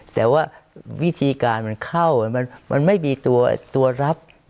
แต่ว่าวิธีการมันเข้ามันไม่มีตัวรับ